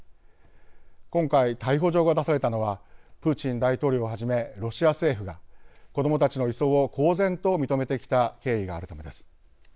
今回、逮捕状が出されたのはプーチン大統領をはじめロシア政府が子どもたちの移送を公然と認めてきた経緯があるためです。